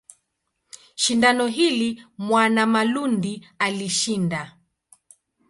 Shindano hili Mwanamalundi alishinda.